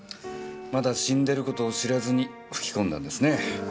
まだ死んでる事を知らずに吹き込んだんですね。